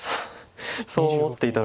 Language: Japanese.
そう思っていたら。